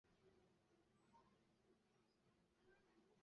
昔曾改名陈天崴。